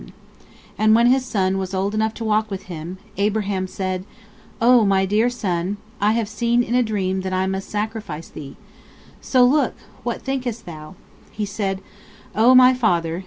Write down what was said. P: And when (his son) was old enough to walk with him, (Abraham) said: O my dear son, I have seen in a dream that I must sacrifice thee. So look, what thinkest thou? He said: O my father!